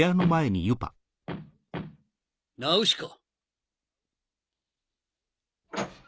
ナウシカ。